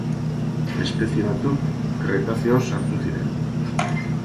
Espezie batzuk Kretazeo sartu ziren.